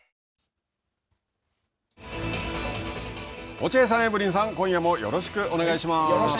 落合さん、エブリンさん、今夜もよろしくお願いします。